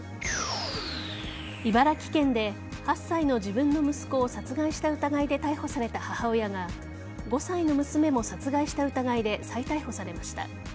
茨城県で、８歳の自分の息子を殺害した疑いで逮捕された母親が５歳の娘も殺害した疑いで再逮捕されました。